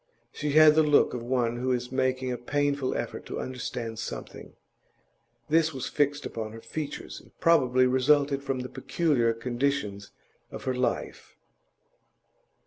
She had the look of one who is making a painful effort to understand something; this was fixed upon her features, and probably resulted from the peculiar conditions of her life.